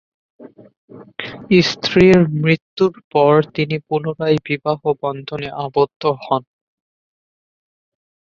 স্ত্রীর মৃত্যুর পর তিনি পুনরায় বিবাহ বন্ধনে আবদ্ধ হন।